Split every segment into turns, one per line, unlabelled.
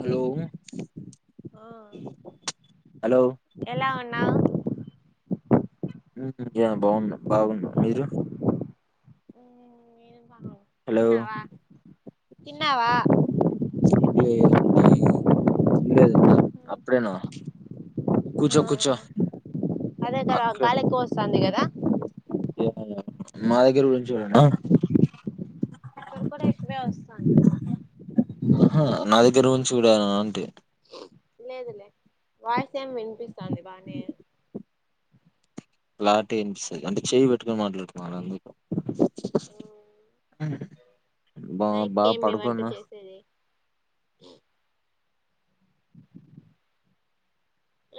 Hello
ఆ
hello
ఎలా నా
హ్మ్ బాగున్నా బాగున్నా. మీరు? హలో
తిన్నావా తిన్నావా?
తినలేదండి తినలేదు ఇంకా అప్పుడేనా
ఆ
కూర్చో కూర్చో
అదే కదా
అక్కడ
గాలి ఎక్కువ వస్తాంది కదా.
మా దగ్గర గురించేన
[unintelligible]
అహా నా దగ్గర నుం చూడనా అంటి
లేదు లే వాయి సెమ్ వినిపిస్తాంది బానే.
క్లార్టి వినిపిస్తది అంటే చేయి పెట్టుకొని మాట్లాడుతున్నాను అందుకు. బా బా
నైట్కి ఏమి వంట
పడుకున్నా.
చేసేది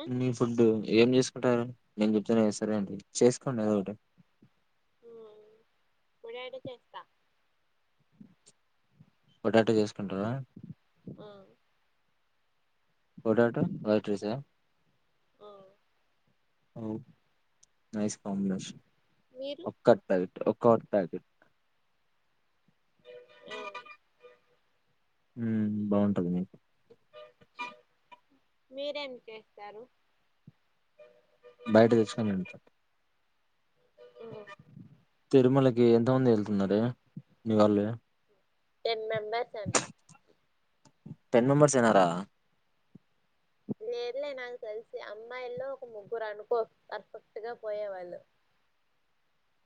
ఆ
మీ ఫుడ్డు ఏం చేసుకుంటారు నేను చెప్తున్నా సరే అండి చేసుకోండి ఏదో ఒకటి
హ్మ్ పొటాటో చేస్తా
పొటాటో చేసుకుంటారా
ఆ
పొటాటో వైట్ రైస్ ఆ
ఆ
నైస్ కాంబినేషన్
మీరు
ఒ కర్డ్ ప్యాకెట్ ఒ కర్డ్ ప్యాకెట్
ఉ
ఉ బాగుంటది
మీరేం చేస్తారు
బయట తెచ్చుకొని తింటాం తిరుమల గీ ఎంత మంది వెళ్తున్నారు మీవాళ్ళు
టెన్ మెంబర్స్ అంట
టెన్ మెంబర్స్ ఎనార
విళ్లేే నాకు తెలిసి అమ్మాయిల్లో ఒక ముగ్గురు అనుకో పర్ఫెక్ట్ గా పోయేవాళ్ళు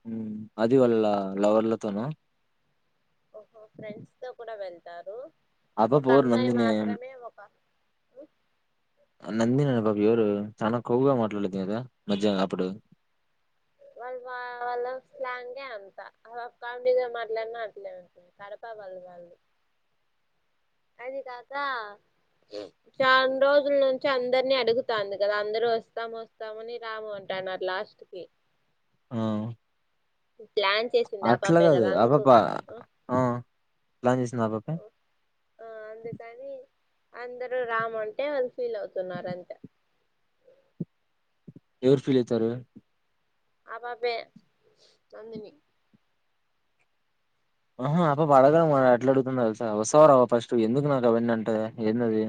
హ్మ్ అది వాళ్ళ లవర్లతోన
ఓహో ఫ్రెండ్స్ తో కూడా వెళ్తారు
ఆ పాప
ఒక
ఎవరు
అమ్మాయి
నందిని
మాత్రమే ఒక ఉ
నంది నన్న బాబ ఎవరు చూన కొవ్వుగా మాట్లాడది కదా మధ్య అప్పుడు
వాళ్ళు వాళ్ళ స్లాంగే అంత కామెడీగా మాట్లాడిన అట్లే ఉంటది కడప వాళ్ళు వాళ్ళది అది కాక చాలా రోజుల నుంచి అందరినీ అడుగుతాంది కదా అందరు వస్తాం వస్తామని రాము అంటున్నారు లాస్ట్ కి పు
అట్లాగాదు అబబ్బ ఉ ప్లాన్ చేసింది ఆ పాపే
అందరు రామ్ అంటే వాళ్ళు ఫీల్ అవుతున్నారు అంతే
ఎవరు ఫీల్ అయితారు
ఆ పాపే నందిని
అహా అ పాప అడగడం ఎట్లా అడుగుతుంది తెలుసా వస్తవ రావ ఫస్ట్ ఎందుకు నాకు అవన్నీ అంటే ఏందది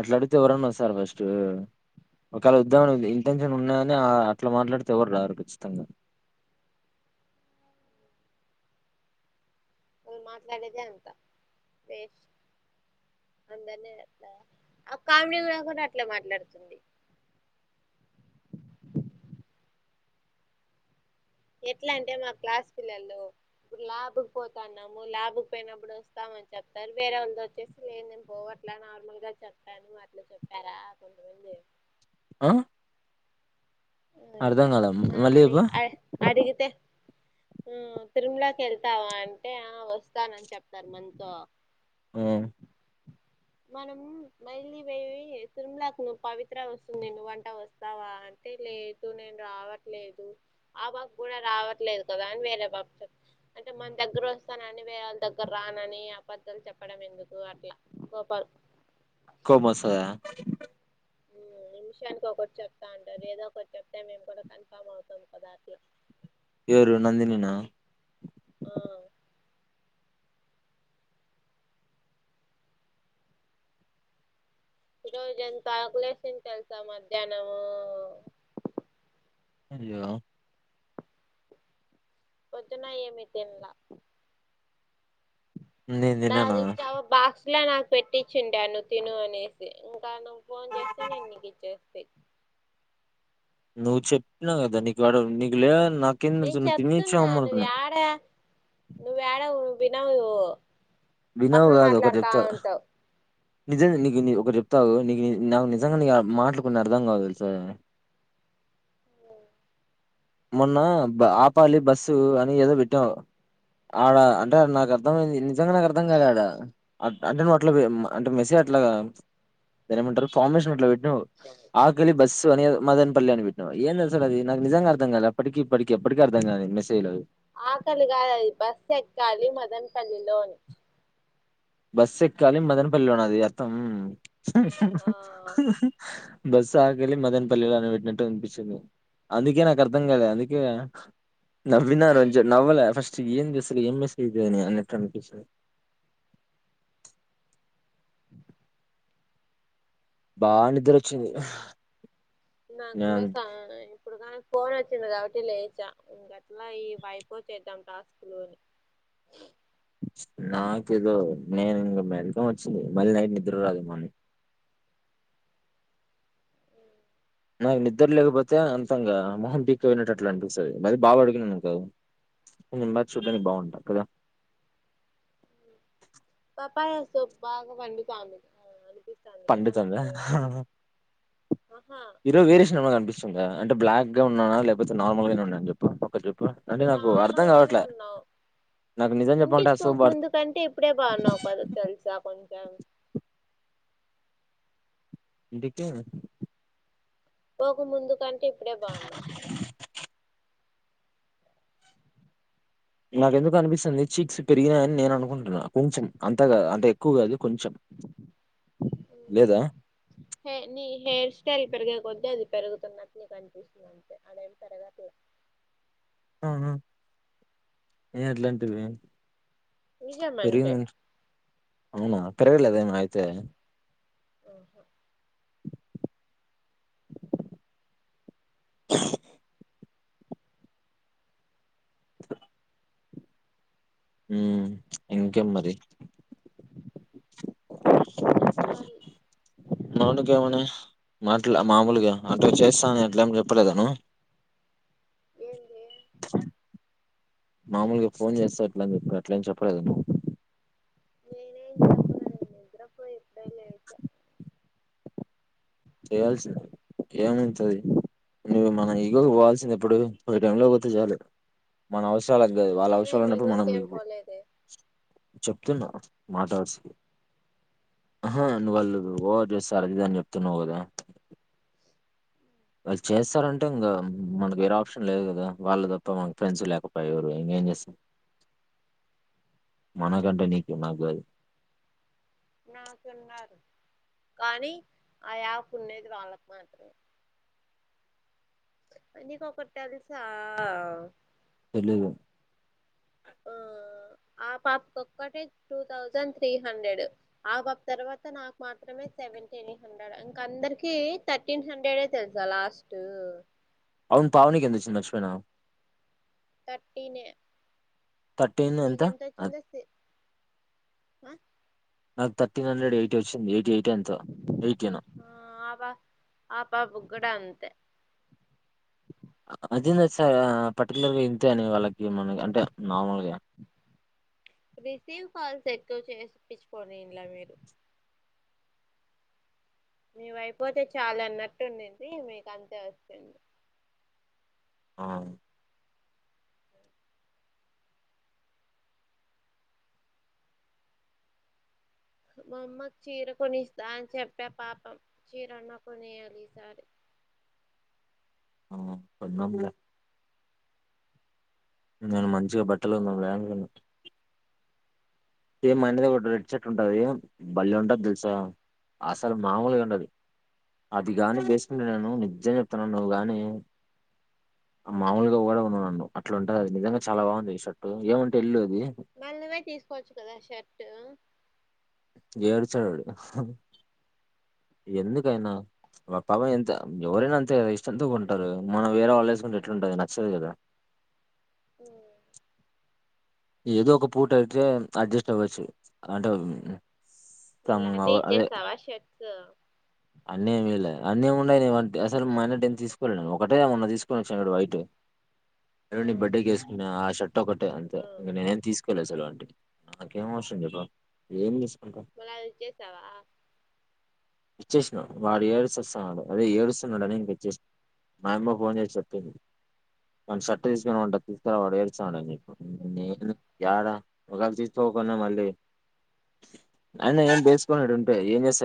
అట్లా అడితే ఎవరన్నా వస్తారా ఫస్ట్ ఒకవేళ ఇబ్బంది ఇబ్బందిలా ఉన్నా కాని అట్ల మాట్లాడితే ఎవరు రారు ఖచ్చితంగా
వాళ్ళు మాట్లాడేదే అంత బేస్ అందరినీ అట్ల ఆ కామెడీ ఉన్న కూడ అట్లే మాట్లాడుతుంది ఎట్లా అంటే మా క్లాస్ పిల్లలు ఇప్పుడు ల్యాబ్కి పోతన్నాము ల్యాబ్కి పోయినప్పుడు వస్తామని చెప్తారు వేరే వాళ్ళది వచ్చేసి లేదు నేనే పోవట్లా నార్మల్ గా చెప్పాను అట్లా చెప్పారా కొంతమంది
ఆ
ఆ, ఇట్లా
అర్ధంకాల
మనం
మళ్ళీ చెప్పు
హ్మ్మ్ తిరుమలకి వెళ్తావా అంటే ఆ వస్తానని చెప్తారు మనతో
ఉం
మనం మళ్ళీ పోయి తిరుమలకు నువ్వు పవిత్ర వస్తుంది నువ్వు అంట వస్తావా అంటే లేదు నేను రావట్లేదు ఆ బాబ కూడా రావట్లేదు కదా అని వేరే పాప చె అంటే మన దగ్గర వస్తానని వేరే వాళ్ళ దగ్గర రానని అబద్ధం చెప్పడం ఎందుకు అట్లా గ బాయ్
కోపం వస్తాదా
నిమిషానికి ఒకటి చెప్తా అంటారు ఏదో ఒకటి చెప్తే మేము కూడా కన్ఫామ్ అవుతాం కదా అది
ఎవరు నందినీనా
ఆ ఇ రోజ ఎంతా ఆగలేసన్ తెల్సా మధ్యాహ్నము
హలో
పొద్దున ఏమి తినలా
నేను
బా
తిననా
తెచ్చావు బా ఇట్లా నాకు పెట్టించిండా నువ్వు తిను అనేసి క నువ్వు ఫోన్ చేసి నేను నీకు ఇచ్చేస్తి
నువ్వు చెప్పిన కదా నీకు వాడ నీకు లే
నేను చెప్తున్నా నువ్వు ఏడా నువ్వేడా [unintelligible]
వినవు కాదు ఒకరు చెప్తే నిజంగా నీకు ఒకటి చెప్తాఆగునీకు నాకు నిజంగా నీ మాటలు కొన్నీ అర్థం కావు తెలుసా మొన్న ఆపాలి బస్సు అని ఏదో పెట్టావు ఆడ అంటే నాకు అర్థమైంది నిజంగా నాకు అర్థం కాలేదు ఆడ అంటే నువ్వు అట్ల అంటే మెసేజ్ అట్లా దాన్ని ఏమంటారు ఫార్మేషన్ అట్లా పెట్ హలో ఆఖరి బస్ అని మదన్ పల్లి అని పెట్టినావ్ ఏం మెసేజ్ అది నాకు నిజ అర్థంకాలేదు అప్పటికి ఇప్పటికి ఎప్పటికి అర్థం కాదు మెసేజ్లు అవి
ఆకలి కాదుది బస్సు ఎక్కాలి మదన్పల్లిలో
బస్ ఎక్కాలి మదనపల్లిలో అది అర్థం
ఆ
బస్సు ఆకళ్లి మదన్పల్లిలో అని పెట్టినట్టు అనిపించింది అందుకే నాకు అర్థం కాలే అందుకే నవ్విన్నారు నవ్వలే ఫస్ట్ ఏం చేస్తురు ఏం మెసేజ్ అని అన్నట్టు అనిపిస్తుంది
[inaudible]
బా నిద్ర వచ్చింది
నాకు
నా
కూడా సాయి ఇప్పుడు కన ఫోన్ వచ్చింది కాబట్టి లేచా ఇం గట్లా ఈ వైపో చేద్దాం టాస్క్ లోని
నాకేదో నేను ఇంకా మెల్కమ్ వచ్చింది మళ్ళీ నైట్ నిద్ర రాదు మళ్ళీ నాకు నిద్ర లేకపోతే అంతంగా మొహం పీక పోయినటట్లు అనిపిస్తుంది మరి బాగా అడిగినను కాదు కొంచెం మరీ చూడ్డానికి బాగుంటా కదా
పప్పస్ బాగా కండి చమె [unintelligible]
పండు తంద
ఆహా
ఈరోజు వేరషన్ కనిపించింది అంటే బ్లాక్ గా ఉన్నానా లేకపోతే నార్మల్ గానే ఉన్నాన చెప్పు ఒక
నార్మల్ గానే ఉన్నావు
నాకు నిజం చెప్పాలంటే
ఇంటికి
అసూయ
పోక
పడు
ముందు కంటే ఇప్పుడే బాగున్నావు కద తెలుసా కొంచం కా
టికే
పోక ముందు కంటే ఇప్పుడే బాగున్నావ్
నాకెందుకు అనిపిస్తుంది చిక్స్ పెరిగినాయని నేను అనుకుంటున్నా కొంచెం అంతాగా అంటే ఎక్కువ కాదు కొంచెం లేదా
హే నీ హెయిర్ స్టైల్ పెరిగే కొద్ది ఆది పెరుగుతున్నటే నీకు అనిపిస్తుంది అంతే అదేమి పెరగట్లే
ఆహ ఏ ఎట్లాంటివి
నిజమంటే
అవునా పెరగల్లేదేమ అయితే
అహ
[inaudible] [unintelligible] ఉమ్ ఇంకే మరి
చెప్పాలి.
మావోడికి ఏమని మాట్లా మామూలుగా అట్లా చేస్తాని అట్లమ చెప్పలేదా నువ్వు
ఏంది
మామూలుగా ఫోన్ చేస్తా ఎట్ల చెప్ప అట్ల చెప్పలేదా నువ్వు.
ద పో ఎప్ప [unintelligible]
[inaudible] చేయావల్సింది. ఏమైతది నువ్వు మన ఈగోకి పోవాల్సింది ఎప్పుడు పోయే టైమ్ లో పోతే చాలు మన అవసరం. వాళ్లకు కాదు వాళ్ళ అవసరాలు
నేనేమి
ఉన్నప్పుడు మనం
ఈగోకేం
మీకు
పోలేదే
చెప్తున్నా మాట వరసకి ఆహా నువ్వు వాళ్ళు ఓవర్ చేస్తారు అదిదని చెప్తున్నావు. కదా. వాళ్ళు చేస్తారంటే ఇంకా మనకు వేరే ఆప్షన్ లేదు. కదా వాళ్ళ తప్ప మనకు ఫ్రెండ్స్ లేకపాయె ఎవరు ఇంకేం చేస్తాము. మనకంటే నీకు నాకు కాదు.
నాకున్నారు కానీ ఆ యాప్ ఉన్నది వాళ్ళకు మాత్రమే. నీకు ఒకటి తెలుసా.
తెలీదు.
ఆ ఆ పాపక ఒక్కటే టూ థౌజండ్ త్రీ హండ్రెడ్ ఆ పాప తర్వాత నాకు మాత్రమే సెవెన్ టీన్ హండ్రెడ్ ఇంక అందరికి థర్టీన్ హండ్రెడే తెలుసా లాస్ట్.
అవును పావనీకి ఎంత వచ్చింది మర్చిపోయిన.
థర్టీన్ ఏ
థర్టీన్ ఎంత అ
ఆ
నాకు థర్టీన్ హండ్రె ఎయిటీ వచ్చింది ఎయిట్ ఎంతో ఎయిటీన్
ఆ పా ఆ పాప కూడా అంతే.
అదేంది తెచ పర్టికులర్ గా ఇంతే అని వాళ్ళకి మన అంటే నార్మల్గా
రిసీవ్ కాల్స్ ఎక్కువ చేపించిపోని ఇన్ల మీరు మీ వైపోతే చాలా అన్నట్టుండింది మీకు అంతే వస్తుంది.
ఆ
మామ్మకు చీర కొనిస్తా అని చెప్పా పాపం చీరన్న కొనియాలి ఈసారి
ఆ పద్మముల [unintelligible] నేను మంచిగా బట్టలు ఉన్న బ్యాంకు లా ఉన్న. సేమ్ మా ఇంటి దగ్గర ఒక రెడ్ షర్ట్ ఉంటది. భల్లే ఉంటది తెలుసా అసలు మామూలుగా ఉండది. అదిగాని వేసుకుంటే నేను నిజం చెప్తున్నా నువ్వు గాని, మాముూలుగా కూడా ఉన్నా నన్ను అట్లాంటది. అది నిజంగా చాలా బాగుంది ఈ షర్టు ఏమంటే ఎల్ళదు.
మళ్ళీ పోయి తీసుకోవచ్చు కదా షర్ట్.
ఏడుచాడు వాడు ఎందుకైనా పాపం ఎంత ఎవరైనా అంతే కదా ఇష్టం తో కొంటారు. మనం వేరే వాళ్ళు వేసుకుంటే ఎట్లాంటది నచ్చదు కదా.
ఉం
ఏదో ఒక పూట అయితే అడ్జస్ట్ అవ్వచ్చు అంటే
మళ్ళ
మ్
అన్ని
అదే
ఇచ్చేస్తావా షర్ట్స్
అన్ని ఏం ఇయ్యాలె అన్నీ ఏం ఉన్నాయిలే వానికి అసలు మొన్నటివి ఏం తీసుకో ఒకటే మొన్న తీసుకు వేసుకొని వచ్చా చూడు వైట్ నీ బర్త్డే వేసుకున్నా ఆ షర్ట్. ఒకటే అంతే. ఇంక నేను తీసుకోలే అసలు అంటే నాకేం అవసరం చెప్పు ఏం తీసుకుంటా
మల్ల అది ఇచ్చేస్తావా.
ఇచ్చేసినా, వాడు ఏడిసస్తున్నాడు ఏడుస్తున్నాడు అదే ఏడుస్తున్నాడుని ఇంకచ్చేసాను. మాయమ్మ ఫోన్ చేసి. సక్య [unintelligible] మన చర్ట్టు వేసుకొని వాన్నట తీసుకురా వాడు ఏడ్చిసస్తున్నాడుని. నేను ఎడా ఒకవేళ తీసుకోకుండా, మళ్ళీ అయినా ఏం వేసుకోనిడు ఉంటే ఏం చేస్తా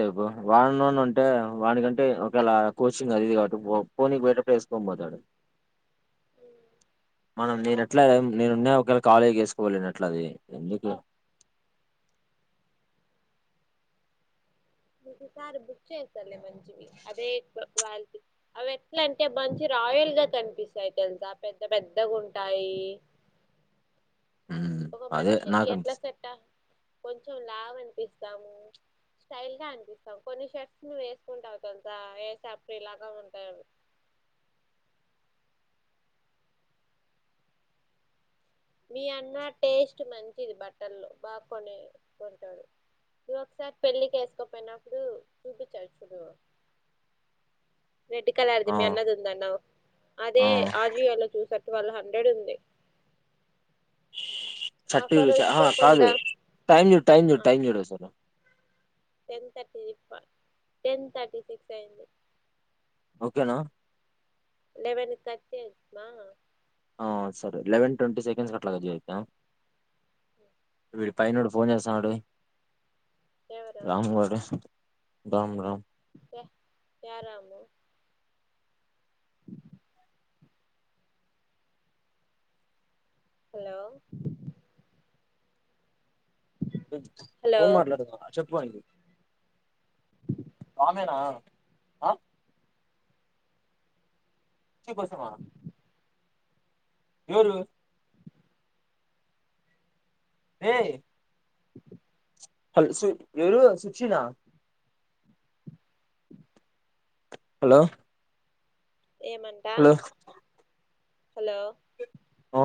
వాడిలోన ఉంటే వాడికంటే ఒకవేళ కోచింగ్ అదిది కాబట్టి పోనీ బయటప్పు వేసుకోని పోతాడు. మనం నేను ఎట్లా నేనున్నా ఒకే. ఖాళీ వేసుకోలేనట్లది ఎందుకు?
ఒకసారి బుక్ చేస్తాలే, మంచివి అదే క్వాలిటీ అవి ఎట్లా అంటే మంచి రాయల్ గా కనిపిస్తాయి తెలుసా పెద్ద పెద్దగా ఉంటాయి.
హ్మ్.
ఒక
అదే
మనిషికి ఎట్ల
నాకనిపిస్తుంది.
చెట్ట కొంచెం లాభ అనిపిస్తది. స్టైల్ గా అనిపిస్తాం కొన్ని షర్ట్స్ నువ వేసుకుంటావు తెలుసా? వేస్తే ఇప్పుడు ఇలాగా ఉంటాయి. మీ అన్న టేస్ట్ మంచిది బట్టల్లో బాగా కొనే కొంటాడు. మీ ఒకసారి పెళ్లికి వేసుకోపోయినప్పుడు చూపించాడు. రెడ్ కలర్ ది
ఆ!
మీ అన్నది ఉంద అన్నావు. అదే
ఆ!
ఆజీయో లో చూసారు. ట్వల్వ్ హండ్రెడ్ ఉంది.
షర్ట్
ఆఫర్
చూసా ఆ
వస్తే
కాదు
పొందాం
టైం చూడు టైం చూడు. టైం చూడు ఒకసారి.
టెన్ తర్టీసిప్పా, టెన్ తర్టీ సిక్స్ అయింది.
ఓకేనా.
లెవెన్ థర్టీస్ మా
సరే లెవెన్ ట్వంటీ సెకండ్స్ అట్లాగా చూద్దాం వీడి పైనడు ఫోన్ చేస్తాన్నాడే.
ఎవరు
రామగడ [unintelligible] రామ్ రామ్.
ప తారము [unintelligible] హలో! హలో
ఫోన్ మట్లాడుతున్నా చెప్పు. [unintelligible] ఆ మేనా శుభ సమా [unintelligible] ఎవరు? రేయ్! హలో! సు ఎవరు సుచినా? హలో!
ఏమంటా?
Hello
hello!
ఓ!